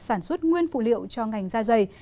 sản xuất nguyên phụ liệu cho ngành da dày